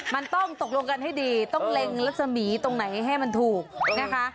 มันต้องตกลงกันให้ดีต้องเล็งรัศมีร์ตรงไหนให้มันถูกนะคะ